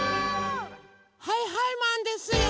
はいはいマンですよ！